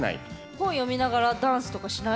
本読みながらダンスとかしない？